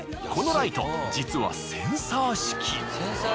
このライト実はセンサー式。